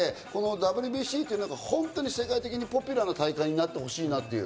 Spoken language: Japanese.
ＷＢＣって、世界的にポピュラーな大会になってほしいなっていう。